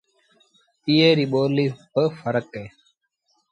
ايئي ريٚ ٻوليٚ با ڦرڪ اهي